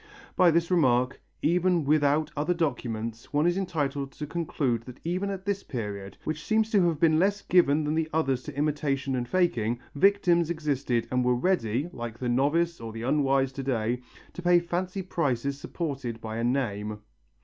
By this remark, even without other documents, one is entitled to conclude that even at this period, which seems to have been less given than the others to imitation and faking, victims existed and were ready, like the novice or the unwise to day, to pay fancy prices supported by a name.